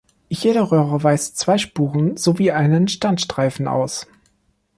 Jede Röhre weist zwei Spuren sowie einen Standstreifen aus.